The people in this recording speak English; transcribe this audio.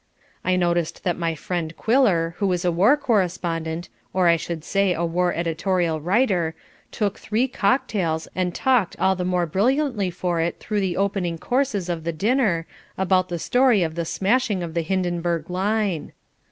I noticed that my friend Quiller, who is a war correspondent, or, I should say, a war editorial writer, took three cocktails and talked all the more brilliantly for it through the opening courses of the dinner, about the story of the smashing of the Hindenburg line.